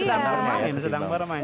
sedang bermain sedang bermain